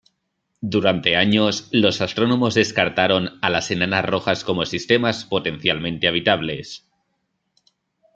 Durante años, los astrónomos descartaron a las enanas rojas como sistemas potencialmente habitables.